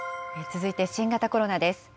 続いて新型コロナです。